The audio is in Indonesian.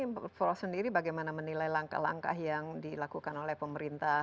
prof sendiri bagaimana menilai langkah langkah yang dilakukan oleh pemerintah